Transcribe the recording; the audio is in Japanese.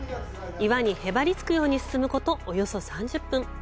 岩にへばりつくように進むことおよそ３０分。